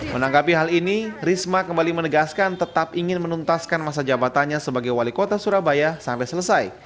menanggapi hal ini risma kembali menegaskan tetap ingin menuntaskan masa jabatannya sebagai wali kota surabaya sampai selesai